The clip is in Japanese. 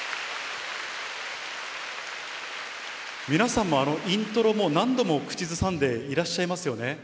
皆さんも、イントロも何度も口ずさんでいらっしゃいますよね。